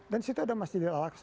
dan situ ada masjid al alqas